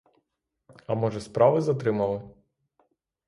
А може, справи затримали?